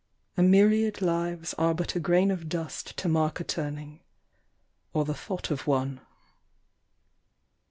A myriad lives are but a grain of dust r<> mark ;i turning or the thought of one.